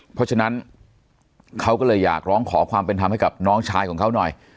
เพราะฉะนั้นเขาก็เลยอยากร้องขอความเป็นธรรมให้กับน้องชายของเขาหน่อย